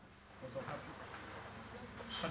คีย์